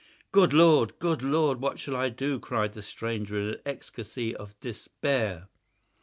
"Good Lord! Good Lord! what shall I do?" cried the stranger, in an ecstasy of despair.